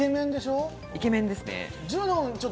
イケメンでしょ？